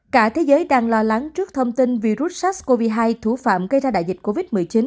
cả thế giới đang lo lắng trước thông tin virus sars cov hai thủ phạm gây ra đại dịch covid một mươi chín